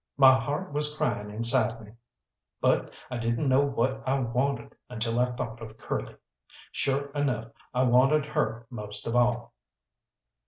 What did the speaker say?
My heart was crying inside me, but I didn't know what I wanted until I thought of Curly. Sure enough I wanted her most of all.